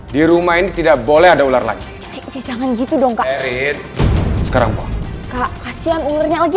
di rumah ini tidak boleh ada ular lagi jangan gitu dong kak sekarang kak kasihan ularnya lagi